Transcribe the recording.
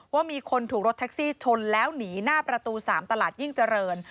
ว่ามีคนถูกรถแท็กซี่ชนแล้วหนีหน้าประตู๓ตลาดยิ่งเจริญ